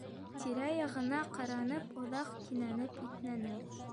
Тирә-яғына ҡаранып, оҙаҡ кинәнеп иҫнәне.